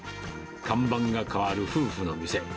看板がかわる夫婦の店。